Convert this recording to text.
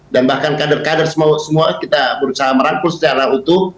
dan bahkan kader kader semua kita berusaha merangkul secara utuh